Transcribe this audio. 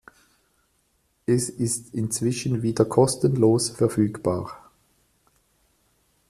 Es ist inzwischen wieder kostenlos verfügbar.